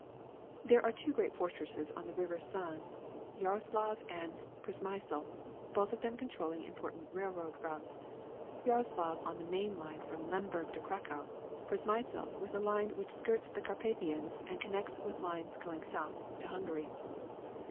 There are two great fortresses on the River San, Jaroslav and Przemysl, both of them controlling important railroad routes. Jaroslav on the main line from Lemberg to Cracow, Przemysl with a line which skirts the Carpathians, and connects with lines going south to Hungary.